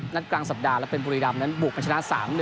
กลางสัปดาห์แล้วเป็นบุรีรำนั้นบุกไปชนะ๓๑